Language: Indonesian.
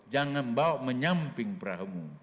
jangan bawa menyamping perahumu